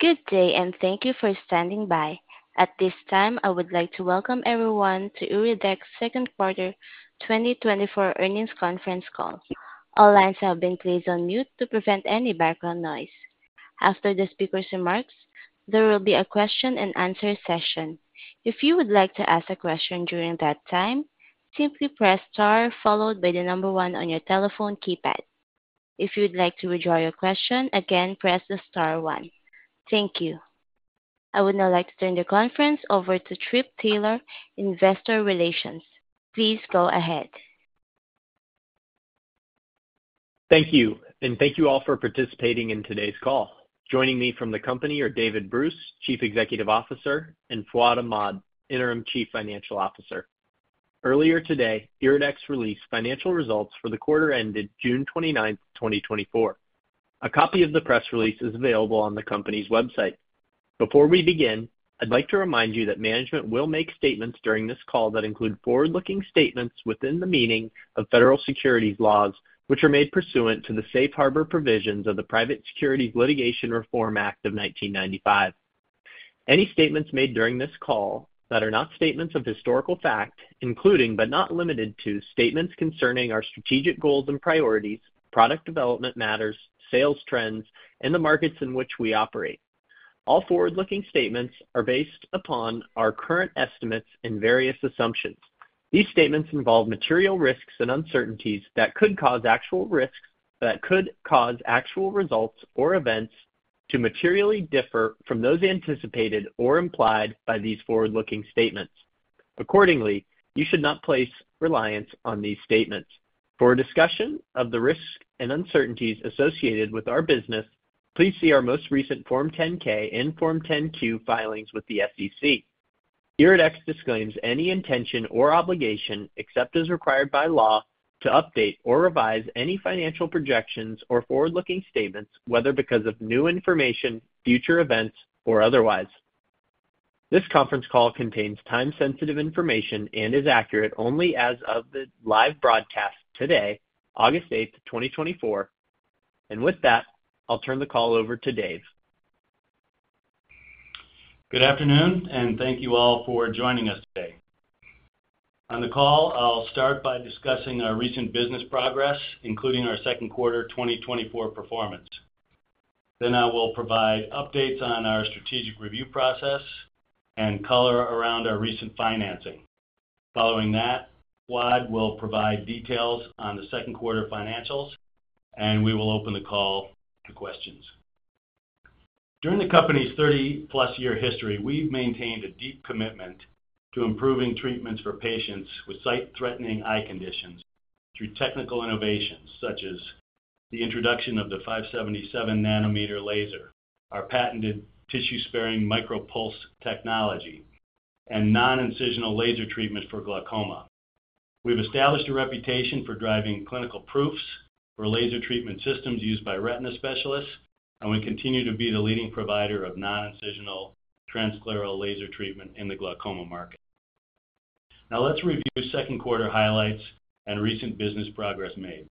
Good day, and thank you for standing by. At this time, I would like to welcome everyone to Iridex Second Quarter 2024 Earnings Conference Call. All lines have been placed on mute to prevent any background noise. After the speaker's remarks, there will be a question and answer session. If you would like to ask a question during that time, simply press star followed by the number one on your telephone keypad. If you'd like to withdraw your question again, press the star one. Thank you. I would now like to turn the conference over to Trip Taylor, Investor Relations. Please go ahead. Thank you, and thank you all for participating in today's call. Joining me from the company are David Bruce, Chief Executive Officer, and Fuad Ahmad, Interim Chief Financial Officer. Earlier today, Iridex released financial results for the quarter ended June 29, 2024. A copy of the press release is available on the company's website. Before we begin, I'd like to remind you that management will make statements during this call that include forward-looking statements within the meaning of federal securities laws, which are made pursuant to the Safe Harbor provisions of the Private Securities Litigation Reform Act of 1995. Any statements made during this call that are not statements of historical fact, including, but not limited to, statements concerning our strategic goals and priorities, product development matters, sales trends, and the markets in which we operate. All forward-looking statements are based upon our current estimates and various assumptions. These statements involve material risks and uncertainties that could cause actual results or events to materially differ from those anticipated or implied by these forward-looking statements. Accordingly, you should not place reliance on these statements. For a discussion of the risks and uncertainties associated with our business, please see our most recent Form 10-K and Form 10-Q filings with the SEC. Iridex disclaims any intention or obligation, except as required by law, to update or revise any financial projections or forward-looking statements, whether because of new information, future events, or otherwise. This conference call contains time-sensitive information and is accurate only as of the live broadcast today, August 8th, 2024. With that, I'll turn the call over to Dave. Good afternoon, and thank you all for joining us today. On the call, I'll start by discussing our recent business progress, including our second quarter 2024 performance. Then I will provide updates on our strategic review process and color around our recent financing. Following that, Fuad will provide details on the second quarter financials, and we will open the call to questions. During the company's 30-plus year history, we've maintained a deep commitment to improving treatments for patients with sight-threatening eye conditions through technical innovations, such as the introduction of the 577 nanometer laser, our patented tissue-sparing MicroPulse technology, and non-incisional laser treatment for glaucoma. We've established a reputation for driving clinical proofs for laser treatment systems used by retina specialists, and we continue to be the leading provider of non-incisional transscleral laser treatment in the glaucoma market. Now let's review second quarter highlights and recent business progress made.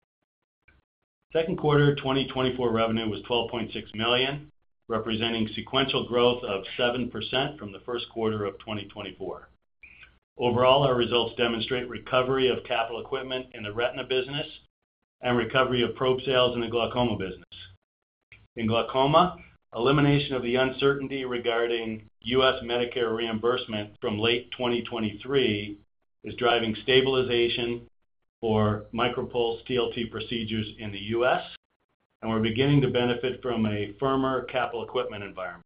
Second quarter 2024 revenue was $12.6 million, representing sequential growth of 7% from the first quarter of 2024. Overall, our results demonstrate recovery of capital equipment in the retina business and recovery of probe sales in the glaucoma business. In glaucoma, elimination of the uncertainty regarding U.S. Medicare reimbursement from late 2023 is driving stabilization for MicroPulse TLT procedures in the U.S., and we're beginning to benefit from a firmer capital equipment environment.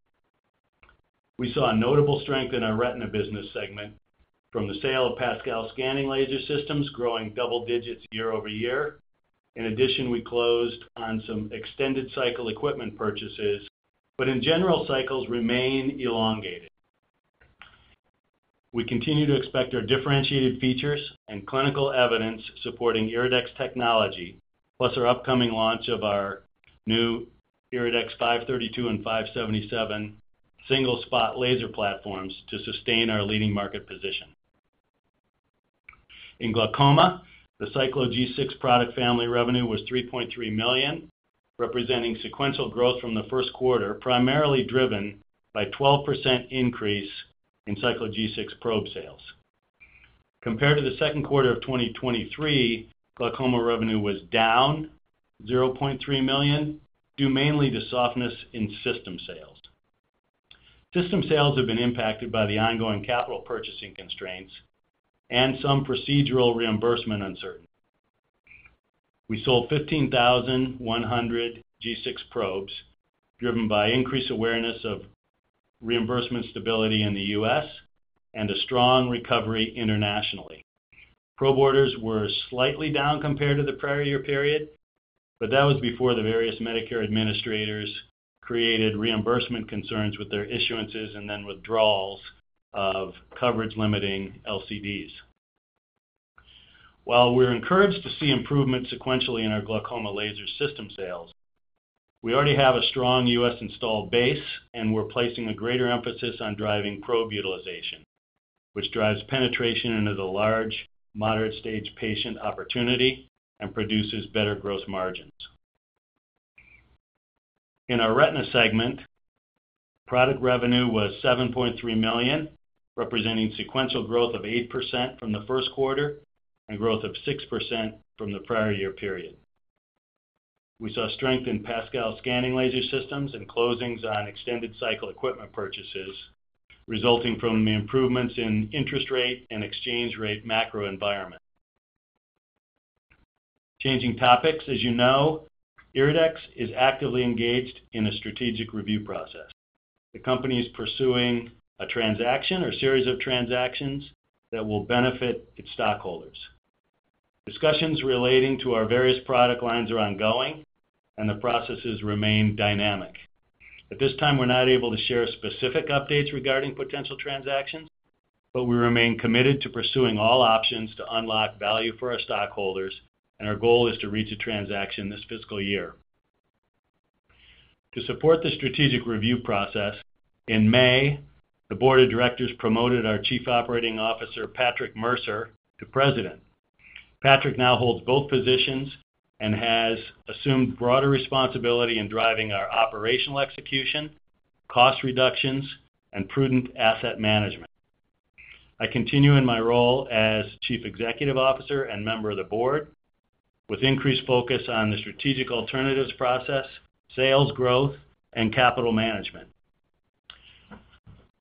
We saw a notable strength in our retina business segment from the sale of PASCAL scanning laser systems, growing double digits year-over-year. In addition, we closed on some extended cycle equipment purchases, but in general, cycles remain elongated. We continue to expect our differentiated features and clinical evidence supporting Iridex technology, plus our upcoming launch of our new Iridex 532 and 577 single-spot laser platforms to sustain our leading market position. In glaucoma, the Cyclo G6 product family revenue was $3.3 million, representing sequential growth from the first quarter, primarily driven by 12% increase in Cyclo G6 probe sales. Compared to the second quarter of 2023, glaucoma revenue was down $0.3 million, due mainly to softness in system sales. System sales have been impacted by the ongoing capital purchasing constraints and some procedural reimbursement uncertainty. We sold 15,100 G6 probes, driven by increased awareness of reimbursement stability in the U.S. and a strong recovery internationally. Probe orders were slightly down compared to the prior year period, but that was before the various Medicare administrators created reimbursement concerns with their issuances and then withdrawals of coverage limiting LCDs. While we're encouraged to see improvement sequentially in our glaucoma laser system sales, we already have a strong U.S. installed base, and we're placing a greater emphasis on driving probe utilization... which drives penetration into the large, moderate stage patient opportunity and produces better gross margins. In our retina segment, product revenue was $7.3 million, representing sequential growth of 8% from the first quarter and growth of 6% from the prior year period. We saw strength in PASCAL scanning laser systems and closings on extended cycle equipment purchases, resulting from the improvements in interest rate and exchange rate macro environment. Changing topics, as you know, Iridex is actively engaged in a strategic review process. The company is pursuing a transaction or series of transactions that will benefit its stockholders. Discussions relating to our various product lines are ongoing, and the processes remain dynamic. At this time, we're not able to share specific updates regarding potential transactions, but we remain committed to pursuing all options to unlock value for our stockholders, and our goal is to reach a transaction this fiscal year. To support the strategic review process, in May, the board of directors promoted our Chief Operating Officer, Patrick Mercer, to President. Patrick now holds both positions and has assumed broader responsibility in driving our operational execution, cost reductions, and prudent asset management. I continue in my role as Chief Executive Officer and member of the board, with increased focus on the strategic alternatives process, sales growth, and capital management.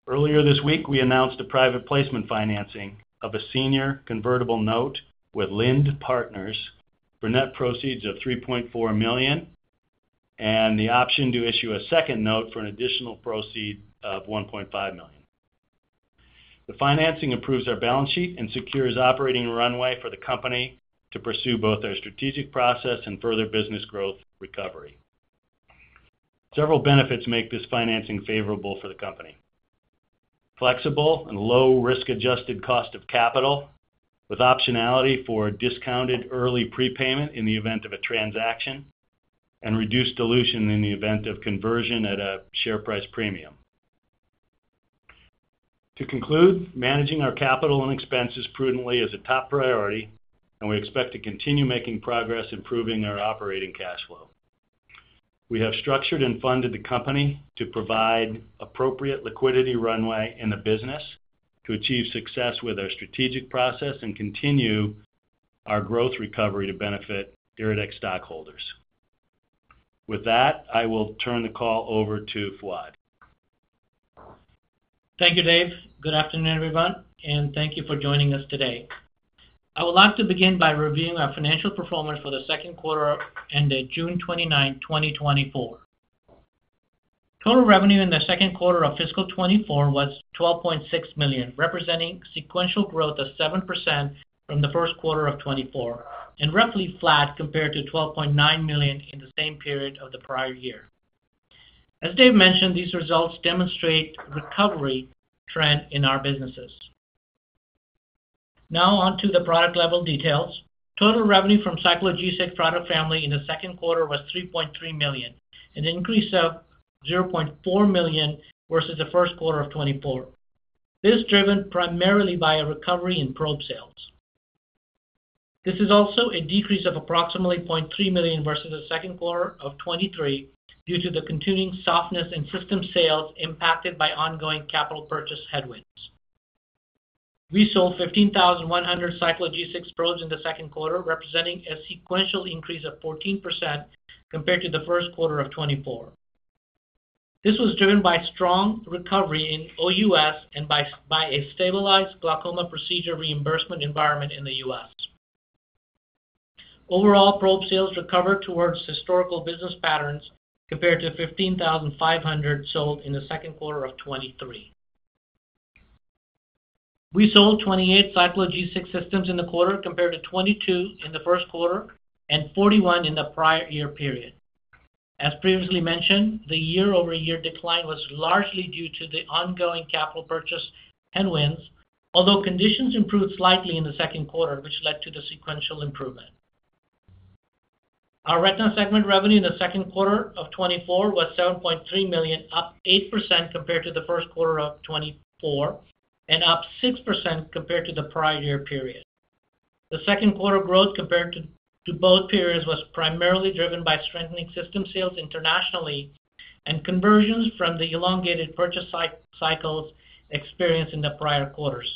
Earlier this week, we announced a private placement financing of a senior convertible note with Lind Partners for net proceeds of $3.4 million, and the option to issue a second note for an additional proceeds of $1.5 million. The financing improves our balance sheet and secures operating runway for the company to pursue both our strategic process and further business growth recovery. Several benefits make this financing favorable for the company. Flexible and low risk-adjusted cost of capital, with optionality for discounted early prepayment in the event of a transaction, and reduced dilution in the event of conversion at a share price premium. To conclude, managing our capital and expenses prudently is a top priority, and we expect to continue making progress improving our operating cash flow. We have structured and funded the company to provide appropriate liquidity runway in the business, to achieve success with our strategic process, and continue our growth recovery to benefit Iridex stockholders. With that, I will turn the call over to Fuad. Thank you, Dave. Good afternoon, everyone, and thank you for joining us today. I would like to begin by reviewing our financial performance for the second quarter ended June 29, 2024. Total revenue in the second quarter of fiscal 2024 was $12.6 million, representing sequential growth of 7% from the first quarter of 2024, and roughly flat compared to $12.9 million in the same period of the prior year. As Dave mentioned, these results demonstrate recovery trend in our businesses. Now on to the product level details. Total revenue from Cyclo G6 product family in the second quarter was $3.3 million, an increase of $0.4 million versus the first quarter of 2024. This is driven primarily by a recovery in probe sales. This is also a decrease of approximately $0.3 million versus the second quarter of 2023 due to the continuing softness in system sales impacted by ongoing capital purchase headwinds. We sold 15,100 Cyclo G6 probes in the second quarter, representing a sequential increase of 14% compared to the first quarter of 2024. This was driven by strong recovery in OUS and by a stabilized glaucoma procedure reimbursement environment in the U.S. Overall, probe sales recovered towards historical business patterns, compared to 15,500 sold in the second quarter of 2023. We sold 28 Cyclo G6 systems in the quarter, compared to 22 in the first quarter and 41 in the prior year period. As previously mentioned, the year-over-year decline was largely due to the ongoing capital purchase headwinds, although conditions improved slightly in the second quarter, which led to the sequential improvement. Our retina segment revenue in the second quarter of 2024 was $7.3 million, up 8% compared to the first quarter of 2024, and up 6% compared to the prior year period. The second quarter growth compared to both periods was primarily driven by strengthening system sales internationally and conversions from the elongated purchase cycles experienced in the prior quarters.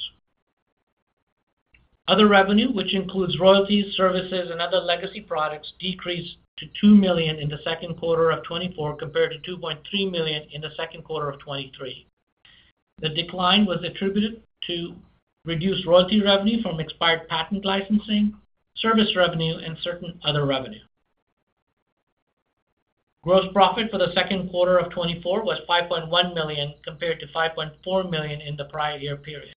Other revenue, which includes royalties, services, and other legacy products, decreased to $2 million in the second quarter of 2024, compared to $2.3 million in the second quarter of 2023. The decline was attributed to reduced royalty revenue from expired patent licensing, service revenue, and certain other revenue. Gross profit for the second quarter of 2024 was $5.1 million, compared to $5.4 million in the prior year period.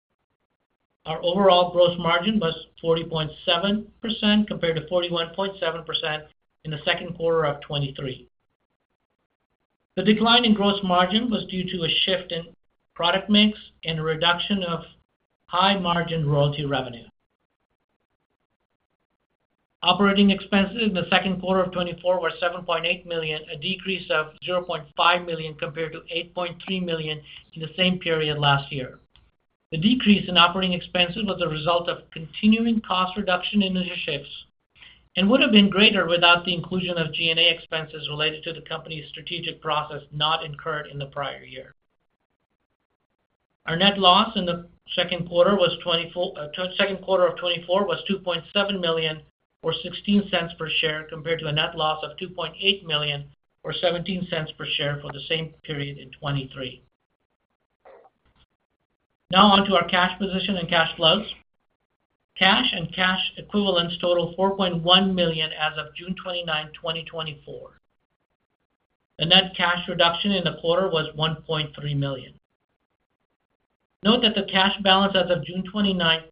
Our overall gross margin was 40.7%, compared to 41.7% in the second quarter of 2023. The decline in gross margin was due to a shift in product mix and a reduction of high-margin royalty revenue. Operating expenses in the second quarter of 2024 were $7.8 million, a decrease of $0.5 million compared to $8.3 million in the same period last year. The decrease in operating expenses was a result of continuing cost reduction in initiatives, and would have been greater without the inclusion of G&A expenses related to the company's strategic process, not incurred in the prior year. Our net loss in the second quarter of 2024 was $2.7 million, or $0.16 per share, compared to a net loss of $2.8 million, or $0.17 per share for the same period in 2023. Now on to our cash position and cash flows. Cash and cash equivalents total $4.1 million as of June 29, 2024. The net cash reduction in the quarter was $1.3 million. Note that the cash balance as of June 29th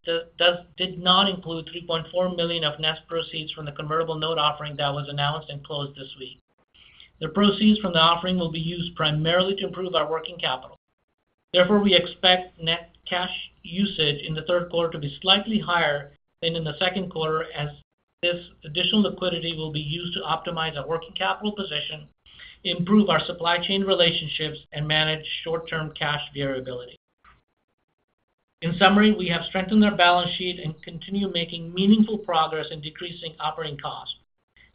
did not include $3.4 million of net proceeds from the convertible note offering that was announced and closed this week. The proceeds from the offering will be used primarily to improve our working capital. Therefore, we expect net cash usage in the third quarter to be slightly higher than in the second quarter, as this additional liquidity will be used to optimize our working capital position, improve our supply chain relationships, and manage short-term cash variability. In summary, we have strengthened our balance sheet and continue making meaningful progress in decreasing operating costs.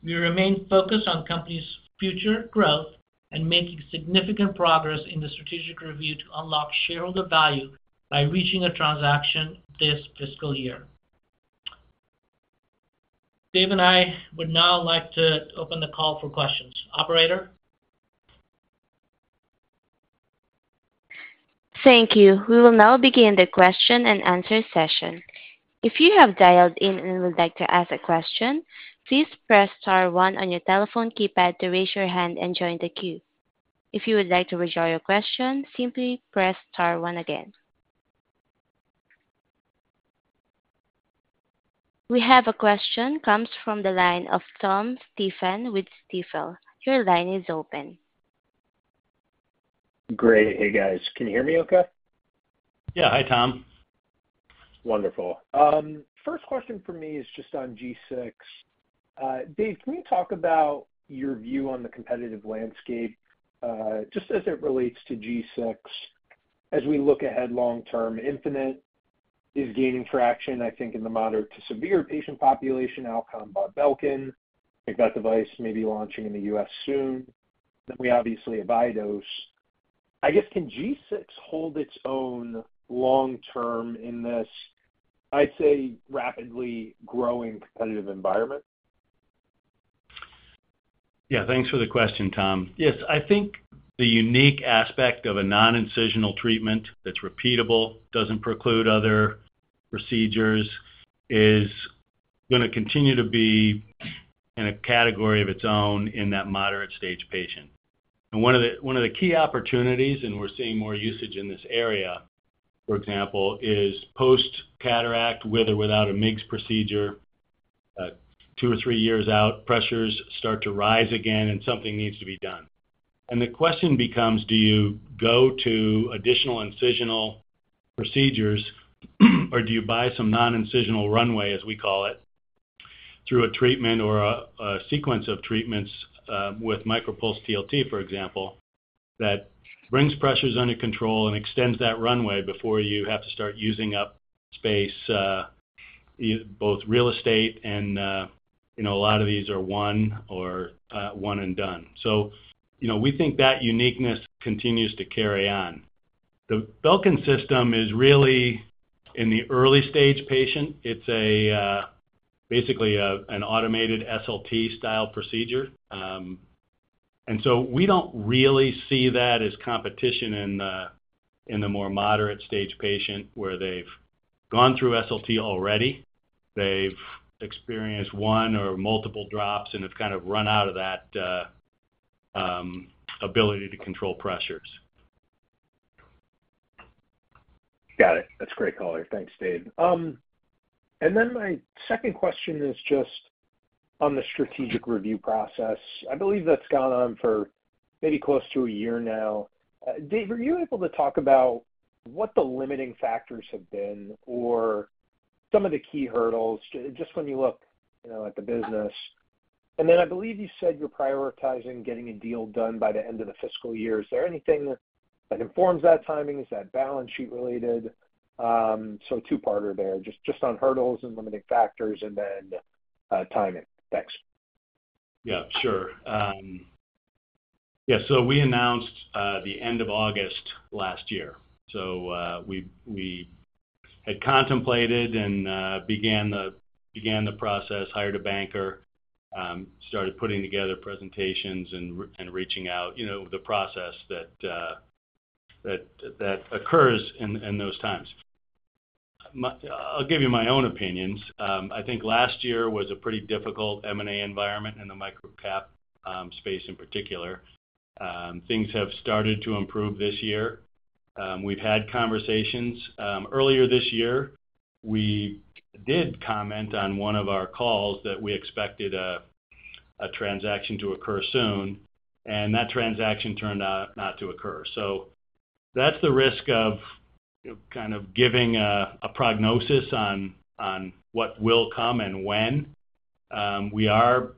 We remain focused on company's future growth and making significant progress in the strategic review to unlock shareholder value by reaching a transaction this fiscal year. Dave and I would now like to open the call for questions. Operator? Thank you. We will now begin the question and answer session. If you have dialed in and would like to ask a question, please press star one on your telephone keypad to raise your hand and join the queue. If you would like to withdraw your question, simply press star one again. We have a question, comes from the line of Tom Stephan with Stifel. Your line is open. Great. Hey, guys, can you hear me okay? Yeah. Hi, Tom. Wonderful. First question for me is just on G6. Dave, can you talk about your view on the competitive landscape, just as it relates to G6? As we look ahead long term, Infinite is gaining traction, I think, in the moderate to severe patient population. Device by Belkin. I think that device may be launching in the U.S. soon. Then we obviously have iDose. I guess, can G6 hold its own long term in this, I'd say, rapidly growing competitive environment? Yeah, thanks for the question, Tom. Yes, I think the unique aspect of a non-incisional treatment that's repeatable, doesn't preclude other procedures, is gonna continue to be in a category of its own in that moderate stage patient. And one of the, one of the key opportunities, and we're seeing more usage in this area, for example, is post-cataract, with or without a MIGS procedure. Two or three years out, pressures start to rise again, and something needs to be done. The question becomes: Do you go to additional incisional procedures, or do you buy some non-incisional runway, as we call it, through a treatment or a sequence of treatments with MicroPulse TLT, for example, that brings pressures under control and extends that runway before you have to start using up space both real estate and, you know, a lot of these are one or one and done. So, you know, we think that uniqueness continues to carry on. The Belkin system is really in the early stage patient. It's basically an automated SLT style procedure. So we don't really see that as competition in the more moderate stage patient, where they've gone through SLT already, they've experienced one or multiple drops, and have kind of run out of that ability to control pressures. Got it. That's a great call here. Thanks, Dave. And then my second question is just on the strategic review process. I believe that's gone on for maybe close to a year now. Dave, are you able to talk about what the limiting factors have been or some of the key hurdles just when you look, you know, at the business? And then I believe you said you're prioritizing getting a deal done by the end of the fiscal year. Is there anything that informs that timing? Is that balance sheet related? So two-parter there, just on hurdles and limiting factors and then, timing. Thanks. Yeah, sure. Yeah, so we announced the end of August last year. So, we had contemplated and began the process, hired a banker, started putting together presentations and reaching out, you know, the process that occurs in those times. I'll give you my own opinions. I think last year was a pretty difficult M&A environment in the micro cap space in particular. Things have started to improve this year. We've had conversations. Earlier this year, we did comment on one of our calls that we expected a transaction to occur soon, and that transaction turned out not to occur. So that's the risk of kind of giving a prognosis on what will come and when. We are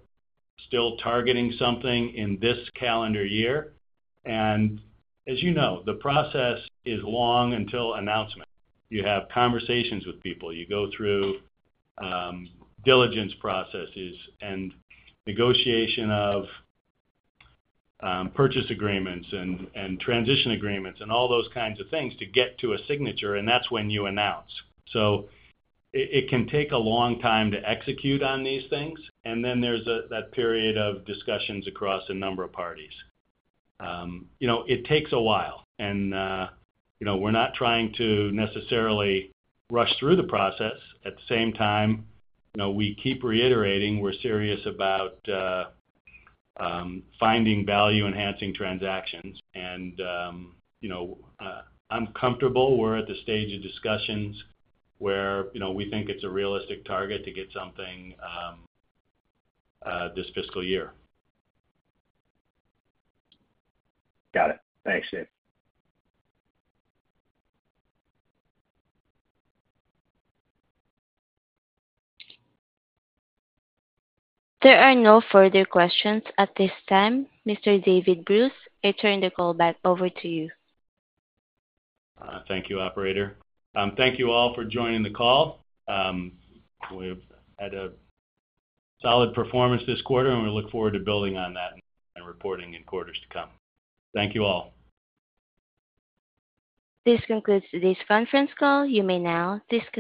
still targeting something in this calendar year, and as you know, the process is long until announcement. You have conversations with people. You go through diligence processes and negotiation of purchase agreements and transition agreements, and all those kinds of things to get to a signature, and that's when you announce. So it can take a long time to execute on these things, and then there's a... that period of discussions across a number of parties. You know, it takes a while, and you know, we're not trying to necessarily rush through the process. At the same time, you know, we keep reiterating we're serious about finding value-enhancing transactions. And you know, I'm comfortable we're at the stage of discussions where you know, we think it's a realistic target to get something this fiscal year. Got it. Thanks, Dave. There are no further questions at this time. Mr. David Bruce, I turn the call back over to you. Thank you, operator. Thank you all for joining the call. We've had a solid performance this quarter, and we look forward to building on that and reporting in quarters to come. Thank you all. This concludes today's conference call. You may now disconnect.